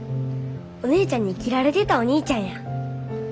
お姉ちゃんに斬られてたおにいちゃんや。